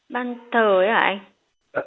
ban thờ ấy hả anh